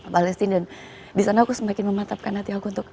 palestine dan disana aku semakin mematapkan hati aku untuk